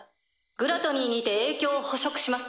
グラトニーにて影響を捕食しますか？